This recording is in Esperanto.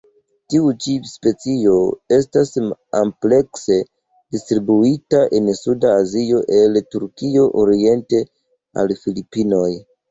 Tiu ĉi specio estas amplekse distribuita en suda Azio el Turkio oriente al Filipinoj.